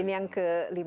ini yang ke lima belas